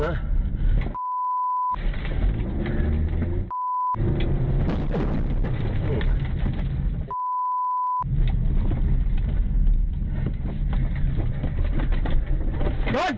อ้าวเดี๋ยวดิ